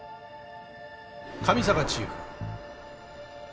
上坂チーフ。